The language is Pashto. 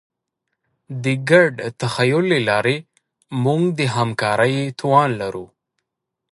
د ګډ تخیل له لارې موږ د همکارۍ توان لرو.